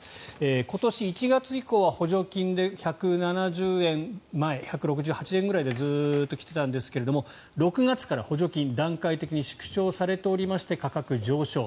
今年１月以降は補助金で１７０円前、１６８円くらいでずっと来ていたんですが６月から補助金が段階的に縮小されておりまして価格、上昇。